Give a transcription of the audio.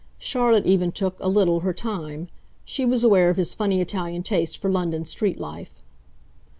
Charlotte even took, a little, her time; she was aware of his funny Italian taste for London street life.